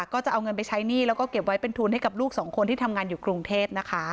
ก็จะเอาเงินไปใช้หนี้แล้วก็เก็บไว้เป็นทุนให้กับลูกสองคนที่ทำงานอยู่กรุงเทพนะคะ